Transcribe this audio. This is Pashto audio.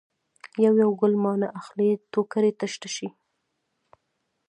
یو یو ګل مانه اخلي ټوکرۍ تشه شي.